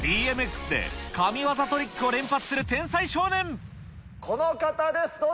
ＢＭＸで神業トリックを連発するこの方です。